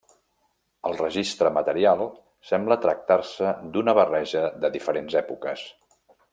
El registre material sembla tractar-se d'una barreja de diferents èpoques.